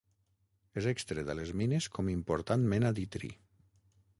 És extret a les mines com important mena d'itri.